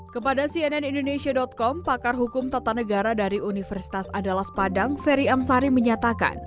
kepada cnnindonesia com pakar hukum tata negara dari universitas adalas padang ferry amsari menyatakan